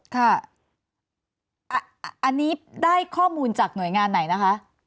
ค่ะอันนี้ได้ข้อมูลจากหน่วยงานไหนนะคะ